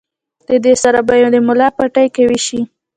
د دې سره به ئې د ملا پټې قوي شي